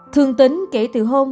thương tính kể từ hôm